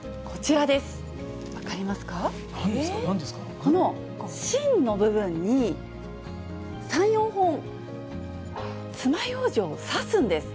この芯の部分に、３、４本、つまようじを刺すんです。